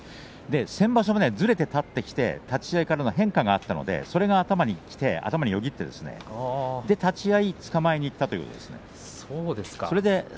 先場所もずれて立ってきて立ち合いからの変化があったのでそれが頭をよぎってそれで立ち合いつかまえにいったという話でした。